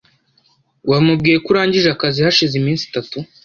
Wamubwiye ko urangije akazi hashize iminsi itatu.